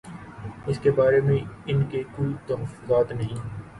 اس بارے میں ان کے کوئی تحفظات نہیں۔